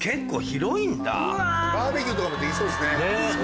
バーベキューとかもできそうですね。